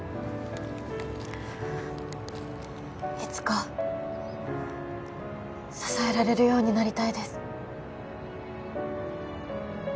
いつか支えられるようになりたいです